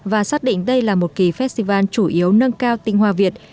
và xác định đây là một kỳ festival chủ yếu nâng cao tinh hoa việt